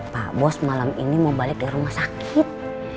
pak bos malam ini mau balik di rumah sakit